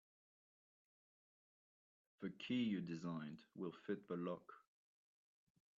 The key you designed will fit the lock.